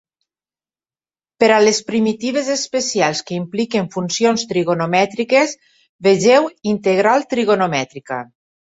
Per a les primitives especials que impliquen funcions trigonomètriques, vegeu Integral trigonomètrica.